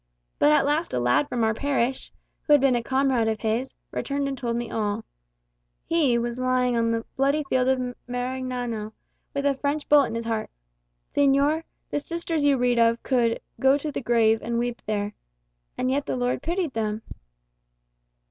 But at last a lad from our parish, who had been a comrade of his, returned and told me all. He was lying on the bloody field of Marignano, with a French bullet in his heart. Señor, the sisters you read of could 'go to the grave and weep there.' And yet the Lord pitied them."